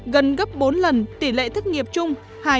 gần gấp bốn lần tỷ lệ thất nghiệp chung hai ba mươi bốn